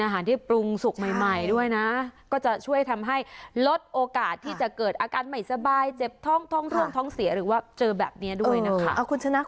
ที่ปรุงสุกใหม่ด้วยนะก็จะช่วยทำให้ลดโอกาสที่จะเกิดอาการไม่สบายเจ็บท้องท้องร่วงท้องเสียหรือว่าเจอแบบนี้ด้วยนะคะ